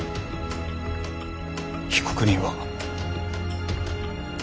被告人は。